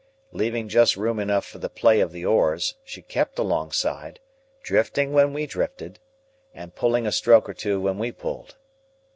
Leaving just room enough for the play of the oars, she kept alongside, drifting when we drifted, and pulling a stroke or two when we pulled.